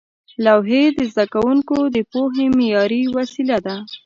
لوحې د زده کوونکو د پوهې معیاري وسیله وې.